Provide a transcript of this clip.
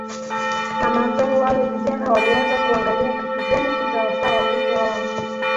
Mama zao wale vijana walianza kuangalia kitu gani kitawafaa Watoto wao